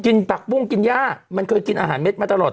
ผักปุ้งกินย่ามันเคยกินอาหารเม็ดมาตลอด